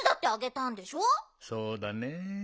そうだね。